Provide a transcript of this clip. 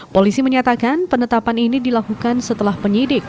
polisi menyatakan penetapan ini dilakukan setelah penyidik